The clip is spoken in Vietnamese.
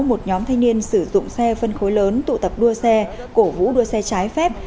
một nhóm thanh niên sử dụng xe phân khối lớn tụ tập đua xe cổ vũ đua xe trái phép